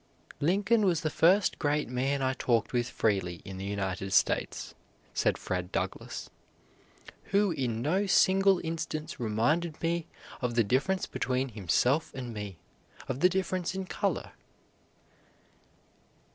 "Lincoln was the first great man I talked with freely in the United States," said Fred Douglass, "who in no single instance reminded me of the difference between himself and me, of the difference in color."